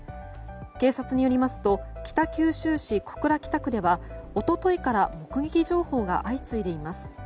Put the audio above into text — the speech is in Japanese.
警察によりますと北九州市小倉北区では一昨日から目撃情報が相次いでいます。